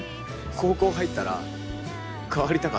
高校入ったら変わりたかった。